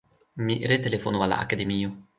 Mi retelefonu al la Akademio.